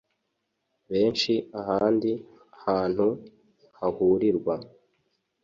benshi ahandi hantu hahurirwa